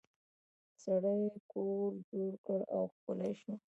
سړي کور جوړ کړ او ښکلی شو.